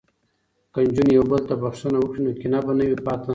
که نجونې یو بل ته بخښنه وکړي نو کینه به نه وي پاتې.